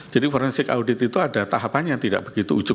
jadi forensic audit itu ada tahapannya yang tidak begitu ujuk